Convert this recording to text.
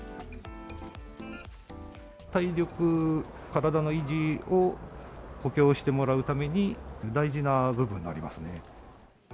体力、体の維持を補強してもらうために、大事な部分になりますね。